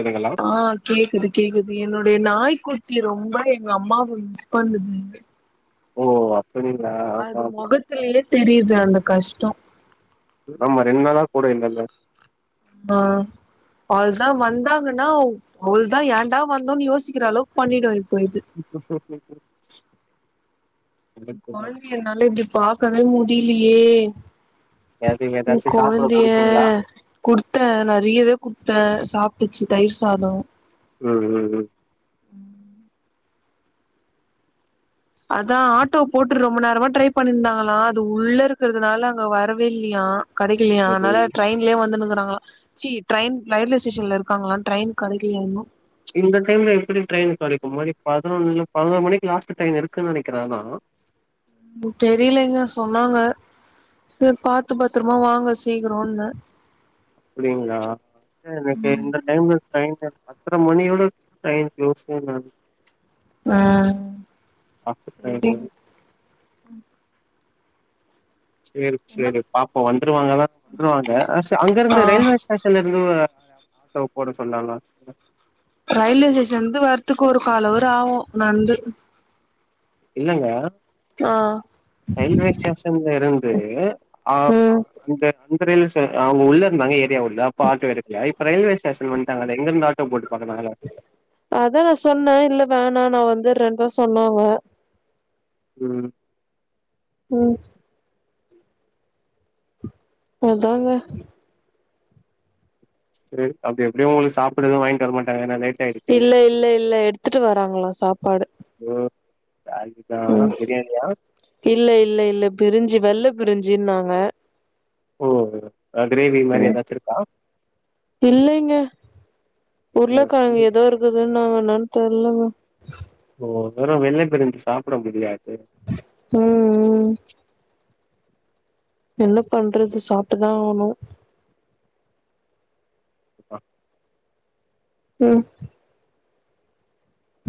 எதுங்கல்லா ஆ கேக்குது கேக்குது என்னோடைய நாய்க்குட்டி ரொம்ப எங்க அம்மாவ மிஸ் பண்ணுது ஓ ஆ அப்படிங்களா ஆமா அது ஆமா மொகத்துலேயே தெரியுது அந்த கஷ்ட்டோ ஆம்மா ரெண்டு நாளா கூட இல்லல்ல ஆ அவ்வள்தா வந்தாங்கன்னா அவ்ளதா ஏன்டா வந்தோன்னு யோசிக்கிற அளவுக்கு பண்ணிடு இப்போ இது சரி சரி சரி [unintelligible] கொழந்தைய என்னால இப்படி பாக்கவே முடியலையே எது ம் ஏதாச்சு சாப்பிட கொழந்தேய குடுத்தீங்களா குடுத்தே நறையவே குடுத்தே சாப்டுச்சு தயிர் சாதோ ம் ம் ம் ம் அதா ஆட்டோ போட்டு ரொம்ப நேரமா ட்ரை பண்ணியிருந்தாங்களா அது உள்ள இருக்கறதுனால அங்க வரவே இல்லையா கடைக்கலையா இன்னைக்கு அதனால ட்ரெயின் யே வந்துன்னு இருக்காங்கலா சீ ட்ரெயின் ரயில்வே ஸ்டேஷன்ல இருக்காங்களா ட்ரெயின் கெடைக்கலையா இன்னு இந்த டைம்ல எப்படி டிரெயின் கெடைக்கு மணி பதினொன்னு பதிநொறு மணிக்கு லாஸ்ட் ட்ரெயின் இருக்குன்னு நெனைக்கிறே ஆனா தெரியலேங்க சொன்னாங்க செரி பாத்து பாத்திரமா வாங்க சீக்கிரோன அப்படிங்களா எனக்கு இந்த டைம்ல ட்ரைன்ல பத்தர மணியோடு டைம் கிளோஸ்சுனாங்க ஆ ம் லாஸ்ட் செரி ட்ரெயின்னு செரி செரி பாப்போ வந்துருவாங்களா வந்துருவாங்க அங்க ஆ இருந்து ரயில்வே ஸ்டேஷ ன்ல இருந்து போட சொன்னாங்க ரயில்வே ஸ்டேஷன்லந்து வரதுக்கு ஒரு கால் அவர் ஆகு நடந்து இல்லங்க ஆ ரயில்வே ஸ்டேஷன்ல இருந்து ஆ ம் இந்த இந்த ரயில் ஸ்டேசன் அவங்க உள்ள இருந்தாங்க ஏரியா உள்ள அப்போ ஆட்டோ எடுக்கலே ரயில்வே ஸ்டேசன் வண்டாங்க அதா எங்கிருந்து ஆட்டோ போட்டு பாக்கனு அதனால அதா நா சொன்ன இல்ல வேணா நா வந்துரெண் தா சொன்னாங்க ம் ம் அதாங்க சேரி அப்டி எப்டியு உங்களுக்கு சாப்புட எது வாங்க்ட்டு வர மாட்டாங்க நா நைட் இல்ல இல்ல இல்ல எடுத்துட்டு வராங்களா சாப்பாடு ஓ தா கிட்டா ம் பிரியாணியா இல்ல இல்ல இல்ல பிரிஞ்சு வெள்ள பிரிஞ்சுன்னாங்க ஓ கிரேவி மாரி ம் எதாச்சிருக்கா உர்ளக்கழங்கு ஏதோ இருக்குதுன்னாங்க என்னான் தெர்லங்க ஓ வெறு வெள்ள பிரிஞ்சு சாப்புட முடியாது ம் ம் என்ன பண்றது சாப்ட்டுதா ஆவுணு [unintelligible] [inaudible] ம்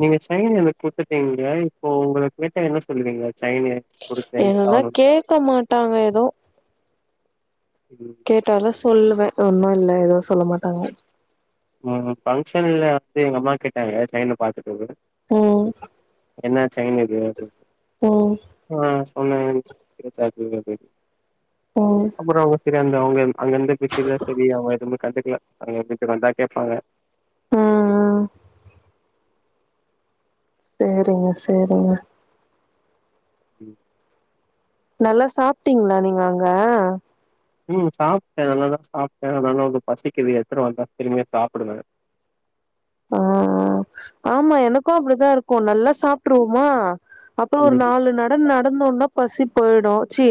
நீங்க ச்சையின்எனக் குடுத்ட்டீங்க க இப்போ உங்களுக்க கேட்டா என்ன சொல்லுவீங்க சைனு குடுத்தே எனக்கு எங்கல்ல கேக்க மாட்டாங்க எதூ ம் கேட்டாலு சொல்லுவ ஒன்னு இல்ல எதூ சொல்ல மாட்டாங்க ம பங்க்ஷன்ல அப்பே எங்க அம்மா கேட்டாங்க சைன்னு பாத்துட்டு அ என்னா சைனுது அப்டின் ஓ ஆ சொன்னேன் [unintelligible] ஆக்டடீவா பொய்ட்டுருக் ம் அப்பற ஒர் செகன்ட் அவங்க அங்க இர்ந்து பிஸி சரி அவுங்க எதுவுமே கண்டுக்ல அங்கிட்டு வந்தா கேப்பாங்க அ அ சேரிங்க சேரிங்க ம் நல்லா சாப்பிட்டீங்ளா நீங்க அங்க ம் சாப்டெ நல்லாதா சாப்டே அதனால உங்க பசிக்கிது எத்துரு வந்தா திரும்மியு சாப்பிடுவ அ அ ஆம்மா என்னக்கு அப்புடித்தா இருக்கூ நல்லா சாப்ட்ருவ்ம்மா அப்ப ஒரு ம் நாலு நட நடந்தோன்னா பசி பொயிடு ச்சீ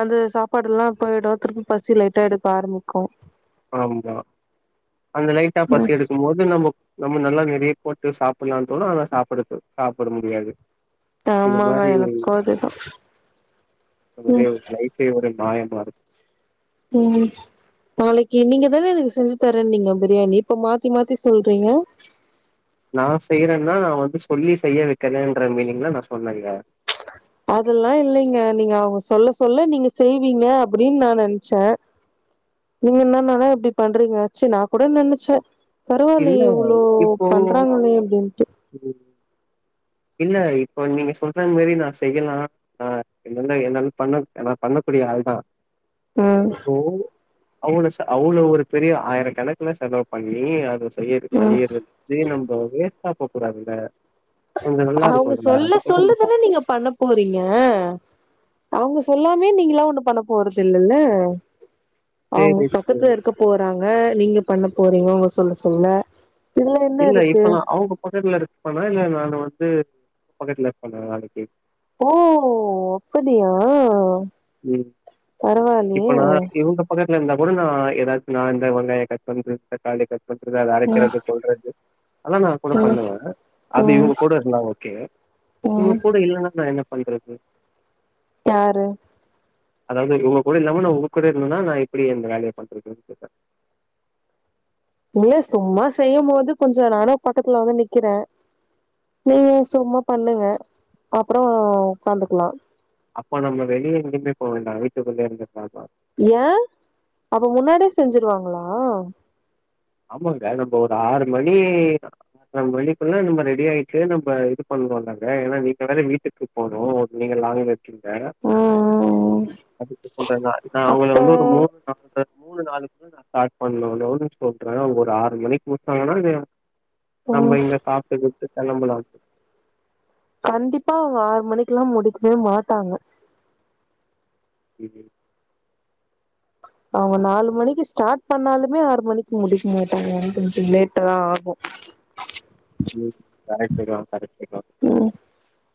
அந்த சாப்பாடு ல்லா போயிடு திரும்ப பசி லைட்டா எடுக்க ஆரமிக்கு ஆம்மா அந்த லைட்டா பசி ம் எடுக் மொத நம்மக் நம்ம நல்லா நெறைய போட்டு சாப்புல்லா தோணு ஆனா சாப்புட தோ சாப்புட முடியாது இது ஆமாங்க மாரி எனக்கு அதுதா நெறய ம் லைஃப் சேவரு மாயமா இருக் ம் நாளைக்கி நீங்க தான எனக் செஞ்சி தரன்னிங்க பிரியாணி இப்ப மாத்தி மாத்தி சொல்றீங்க நான் செய்யறன்னா நா வந்து சொல்லி செய்ய வைக்கிறேன்ற மீனிங்ல நா சொன்னங்க அதுல்லா இல்லங்க நீங்க அவங்க சொல்ல சொல்ல நீங்க செய்வீங்க அப்டின்னு நா நென்ச்ச நீங்க என்னானான்னா இப்டி பண்றீங்க ச்சீ நா கூட நெனச்ச இல்ல பரவாயில்லியே இவ்ளோ இப்போ பண்றாங்ளே அப்டின்ட்டு ம் இல்ல இப்போ நீங்க சொல்ற மாரி நா செய்யலா ஆ என்ன எல்லாமே பண்ண எல்லா பண்ண பண்ணக்கூடிய ஆள் தா ம் உ அவ்ளோ ஸ அவ்ளோ ஒரு பெரிய ஆயிரோ கணக்குல செலவு பண்ணி அத செய்யற் ம் செய்யறது சே நம்போ வேஸ்டா போக் கூடாதுல அவ்ங்க சொல்ல சொல்ல நான் பாத்தேன். தான நீங்க பண்ண போறீங்க அவ்ங்க சொல்லாமே நீங்கலா ஒண்ணு பண்ண போறது இல்லல்ல அவ்ங்க சரி, பக்கத்துல சரி, இருக்க சரி. போறாங்க நீங்க பண்ண போறீங்க அவ்ங்க சொல்ல சொல்ல இதுல என்ன இருக்கு பக்கட்ல இருப்பான இல்ல நானு வந்து பக்கட்ல இருபாணா நாளைக்கி ஓ அப்டியா ம். இப்ப பரவாயில்லயே நான் இவங்க பக்கத்துல இருந்தா கூட நா ஏதாசு நா இந்த வெங்காயோ கட் பண்றது தக்காளி கட் பண்றது அத ம் அரைக்கிறது சொல்றது அதல்லா கூட ம் பண்ணுவ அது ம் இவ்ங்க கூட இருந்தா ஓகே இவ்ங்க ம் கூட இல்லாம என்ன பண்றது யாரு அதாவ்து இவ்ங்க கூட இல்லாம நா உங்க கூட இருந்தன நா எப்டி இந்த வேலைய பண்றதுன்டு இல்ல சும்மா செய்யும் போது கொஞ்சோ நானே பக்கத்துல வந்து நிக்கிறே நீ சும்மா பண்ணுங்க அப்புறோ உக்காந்துக்கலா அப்போ நம்ம வெளிய எங்கயுமே போவ் வேண்டா வீட்டுக்குள்ளே இருந்தே பாக்லா ஏ அப முன்னாடியே செஞ்சிருவாங்களா ஆமாங்க நம்ப ஒரு ஆறு மணி பண்ணன்ட்ரைகுள்ள நம்ம ரெடி ஆயிட்டு நம்ம இது பண்ணோன்ல்லங்க ஏனா நீங்க யாராது வீட்டுக் போட்ருவோ நீங்க லாங்கு இப்ப ம் ம் அத்யூஸ் பண்டனா அவ்ங்க அப்ப வந்து ஒரு மூணு நாலு மூணு நாளைக்கி மேல நா ஸ்டாட் பண்ணனு [unintelligible] அவ்ங்க ஒரு ஆறு மணிக்கு குடுத்தாங்கனா ம் நம்ம இங்க சாப்ட்டு கீப்டு கெளம்பலாம் கண்டிப்பா அவ்ங்க ஆறு மணிக்கு லா முடிக்வே மாட்டாங்க ம். அவ்ங்க நாலு மணிக்கு ஸ்டாட் பண்ணாலுமே ஆறு மணிக்கு முடிக்க மாட்டாங்க கொஞ்சோ லேட்டுரா ஆகு [inaudible] ம் கரெக்டுதா கரெக்டுதா ம்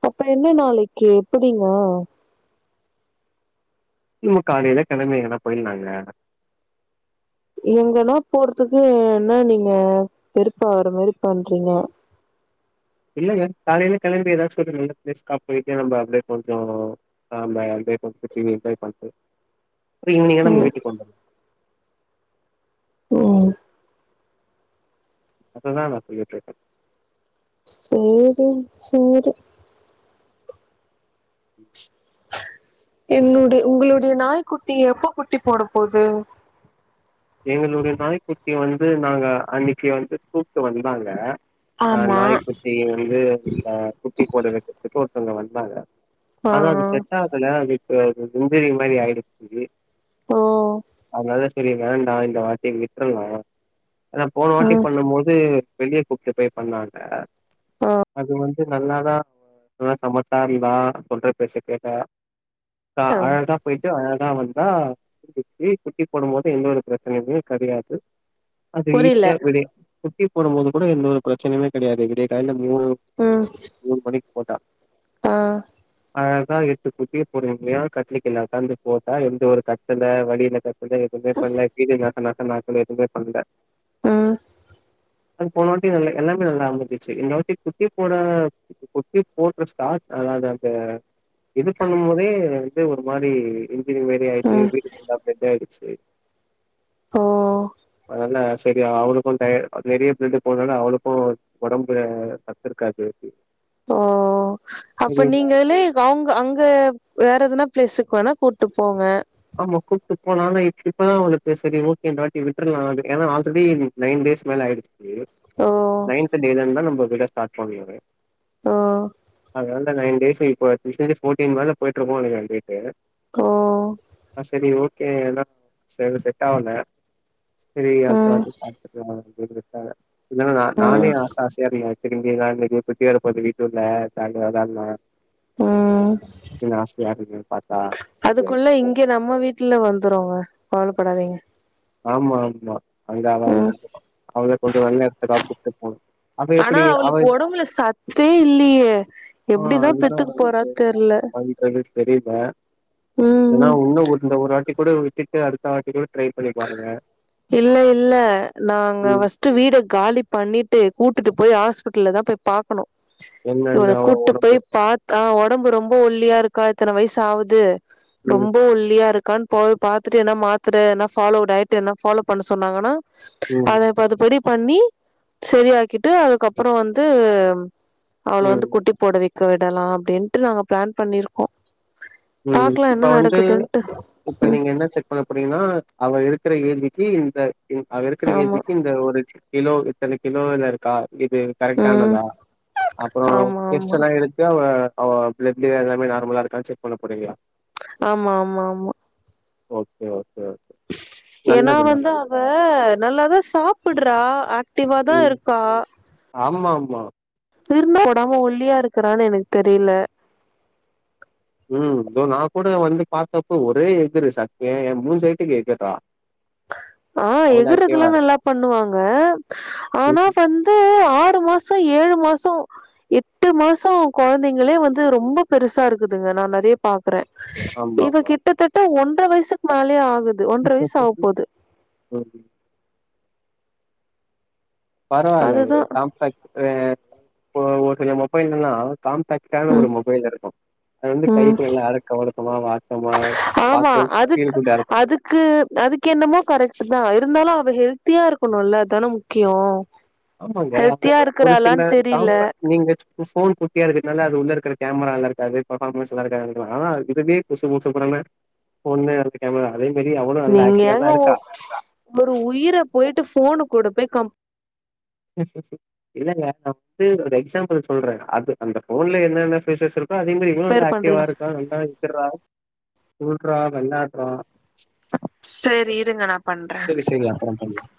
அப்பறோ என்ன நாளைக்கி எப்பிடிங்க ம் காலைல கெளம்பி எங்கனா போயிலாங்க எங்கனா போறதுக்கு என்ன நீங்க வெறுப்பாவுற மாரி பண்றீங்க இல்லங்க காலைல கெளம்பி ஏதாச்சு கொஞ்ச நல்ல பிளேஸ்கா பேய்ட்டு நம்ம அப்டியே கொஞ்சொ ஆ ப அப்டியே போய்ட்டு என்ஜாய் பண்ட்டு அப்ரொ ஈவ்னிங்கான நம்ம ம் வீட்டுக் வந்துர்லா ம் அத்ததா நா சொல்லிட் ருக்க சேரி செரி ம் எங்ளோடு உங்களுடைய நாய்க்குட்டி எப்ப குட்டி போட போது எங்களுடைய நாய்க்குட்டிய வந்து நாங்க அன்னைக்கி வந்து கூட்டு வந்தாங்க ஆ ஆமா நாய்க்குட்டி வந்து அ குட்டி போட வெக்கரதுக்கு ஒருத்தவ்ங்க வந்தாங்க ஆ ஆனா அது செட் ஆகல அது இப்ப இன்ஜூரிங் மாரி ஆயிடுச்சு ஓ அதனால செரி வேண்டா இந்த வாட்டி விட்றலா அதா போன வாட்டி ம் பண்ணும் போது வெளிய கூட்டு போய் பண்ணாங்க அது வந் நல்லாதா நல்ல சமத்தா அறிவா சொல்ற பேச்ச கேட்டா அ அழகா போய்ட்டு அழகா வந்தா முடிஞ்சிடுச்சு குட்டி போடும்போது எந்த ஒரு ப்ரச் சனயுமே கடையாது அது புரில ஈசியா வெளிய குட்டி போடும்போது கூட எந்த ஒரு ப்ரச்சனையுமே கடையாது விடிய காலைல மூணு ம் மூண்மணிக் போட்டா ஆ அழகா எட்டு குட்டிய பொறுமையா கட்லுக்கீழ உக்காந்து போட்டா எந்த ஒரு கத்தல வலியில கத் எதுவுமே பண்ல [unintelligible] எதுமே பண்ல ம் அது போனவாட்டி எல்லாமே நல்லா அமைஞ்சுச்சு இந்த வாட்டி குட்டி போட குட்டி போட்ற ஸ்டாட் அதாது அந்த இது பண்ணும்போதே வந்து ஒரு மாரி இன்ஜூரி மாரி ஆய்ட்டு ம் வீடு ஃபுல்லா ப்ளட் ஆய்டுச்சு ஓ அதால செரி அவுளுக்கு டயர்ட் நெறிய ப்ளட் போனால அவுளுக்கு ஒடம்புல சத் இருக்காது ஓ சரி அப்ப நீங்களே அவுங்க அங்க வேற எதனா ப்ளேஸுக்கு வேணா கூட்டு போங்க ஆமா கூட்டு போனாலு இப் இப்பதா அவுளுக்கு செரி ஓகே இந்தவாட்டி விட்ரலா எனா ஆல்ரெடி நைன் டேஸ் மேல ஆய்டுச்சு ஓ நைன்த் டேலருந்தா நம்ம விட ஸ்டார்ட் பண்ணுமே ஓ எவன்டா நைன் டேஸ் இப்ப [unintelligible] ஃபோட்டீன் மேல போய்ட்ருக்கு நெனைக்கிறே டேட்டு ஓ ஆ செரி ஓகே எனா சிலது செட் ஆவல செரி ம் அடுத்தவாட்டி பாத் கலா அப்டின் விட்டாங்க இல்லனா நா நானே ம் ஆச ஆசயா இருந்தே [unintelligible] இன்னிக்கு குட்டி வரபோகுது வீட்டுல்ல ஜாலியா விளாட்லா ம் அப்டின் ஆசயா இருந்த பாத் அதுக்குள்ள இங்க நம்ம வீட்ல வந்துருங்க கவலப்படாதீங்க ஆமா ஆமா அதுக்காகதா ம் வெய்ட் பண்றோ அவள கொஞ்சோ நல்ல எடத்துக்கா கூட்டு போனு ஆனா அவளுக் ஒடம்புல சத்தே இல்லியே ஆ எப்டிதா அதுதான் பெத்துக்க போறா தெர்ல அது தெரில எனா ம் உன்னு ஒரு இந்த ஒரு வாட்டிகூட விட்டுட்டு அடுத்த வாட்டிகூட ட்ரைப் இல்ல இல்ல நாங்க ம். ஃபஸ்ட் ட்டு வீட காலி பண்ணிட்டு கூட்டுட்டு போய் ஹாஸ்பிட்டல்லதா போய் பாக் கனு இவள என்னன்னு அவ கூட்டு போய் உடம்பு. பாத் ஆ ஒடம்பு ரொம்ப ஒல்லியா இருக்கா இத்தன வய்சு ஆவுது ம். ரொம்ப ஒல்லியா இருக்கான் போய் பாத்துட்டு என்ன மாத்திர என்ன ஃபாலோ டயட் என்ன ஃபாலோ பண்ண சொன்னாங்கன்னா ம். அத அது படி பண்ணி செரியாக்கிட்டு அதுக்கப்புறோ வந்து அவள ம். வந்து குட்டி போட வெக் க்க விடலா அப்டின்ட்டு நாங்க ப்ளான் பண்ணிருக்கோ ம் பாக்கலா இப்ப என்ன வந்து நடக்குதுன்ட்டு இப்ப ம் நீங்க என்ன செக் பண்ண போறீங்ன்னா அவ இருக்கிற ஏஜிக்கு இந்த அவ இருக்கிற ஆமா ஏஜிக்கு இந்த ஒரு கிலோ இத்தன கிலோல இருக்கா இது ம் கரெக்ட்டானதா அப்புறோ ஆமா ஆமா டெஸ்ட்டுல்லா எடுத்து அவ அவ ப்ளட்டு எல்லாமே நார்மலா இருக்கான் செக் பண்ண போறீங்களா ஆமா ஆமா ஆமா ஓகே ஓகே ஓகே ஏனா வந்து அவ நல்லாதா சாப்புட்றா ஆக் டிவா தா இருக்கா ஆமாம்மா [unintelligible] போடாம ஒல்லியா இருக்குறானு எனக்கு தெரியில ம் இதோ நா கூட வந்து பாத்தப்போ ஒரே எகுரு சட் எ என் மூஞ்சு ஹைட்டுக்கு எகுர்றா ஆ எகுறதுலா இருக்கா. நல்லா பண்ணுவாங்க ஆனா ம்ஹ்ம். வந் து ஆறு மாச ஏழு மாசோ எட்டு மாசோ கொழந்தைங்களே வந்து ரொம்ப பெருசா இருக்குதுங்க நா நெறைய பாக் குறே இவ ஆமாமா. கிட்டத்தட்ட ஒன்ற வயசுக்கு மேலயே ஆகுத் [unintelligible] பரவால்ல அதுதா ஒரு காம்பேக்ட் அ இப்ப ஒரு சில மொபைல்லலா காம்பேக்ட் இல்லாத ம் ஒரு மொபைல் இருக்கு அது வந்து ம் கைக்கு நல்லா அடக்க ஒடுக்கமா வாட்டமா ஆமா பாக்க கீழ அதுக்கு குண்டா இருக்கு அதுக்கு அதுக்கு என்னமோ கரெக்ட்டு தா இருந்தாலு அவ ஹெல்த்தியா இருக்கணுல்ல அதானே முக்கியோ ஆமாங்க அது ஹெல்த்தியா ஒரு சில இருக்கறாளான்னு தெரில காம்பேக்ட் நீங்க சு உ ஃபோன் குட்டியா இருக்குறதுனால அது உள்ள இருக்குற கேமரா நல்லா இருக்காது பெர்ஃபாமன்ஸ் நல்ல இருக்காது வாங்கிடுவ ஆனா இதுவே புசு புசுன் பொறந்த பொண்ணே அடுத்த கேமரா அதே மாரி அவளு நல்லா நீங்க ஆக்டிவா தா ஏங்க ஒ இருக்கா ஒரு உயிர போய்ட்டு ஃபோனு கூட போய் கம்ப் இல்லங்க நா வந்து ஒரு எக்ஸாம்பிள் சொல்றே அது அந்த ஃபோன்ல என்னென்ன ஃபீச்சர்ஸ் இருக் இதோ அதே மாரி இவளு வந்து கம்பேர் ஆக்டிவா பண்றீங்க இருக்க நல்லா எக்குற்றா துள்றா வெள்ளாட்றா சரி இருங்க நா பண்றே சேரி சேரி அப்றோ பண்லா